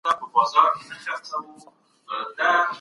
ځيني خلګ دا مضمون يوازي د سياست علم بولي.